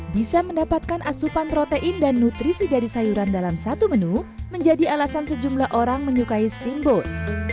bisa mendapatkan asupan protein dan nutrisi dari sayuran dalam satu menu menjadi alasan sejumlah orang menyukai steamboat